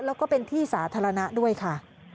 แล้วก็เป็นที่สาธารณะด้วยค่ะ